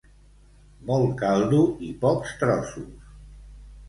Molt caldo i pocs trossos.